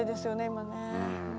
今ね。